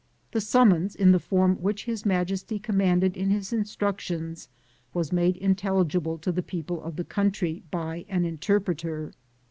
The summons, in the form which His Majesty commanded in his instructions, was made intelligible to the people of the country by an interpreter.